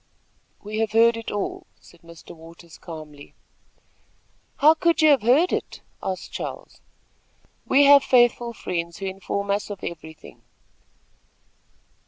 "We have heard it all," said Mr. Waters, calmly. "How could you have heard it?" asked Charles. "We have faithful friends, who inform us of everything."